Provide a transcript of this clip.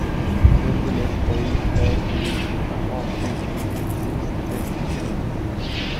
Nevertheless, Bailey failed to reach a half-century in six Test innings.